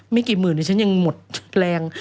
ไม่กี่หมื่นเดี๋ยวฉันยังหมดแรง